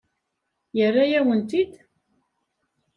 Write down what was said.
Yerra-yawen-ten-id?